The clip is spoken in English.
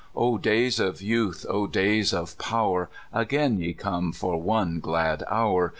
O davs of youth, O days of power. Again ve come for one glad hour.